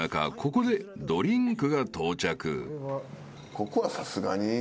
ここはさすがに。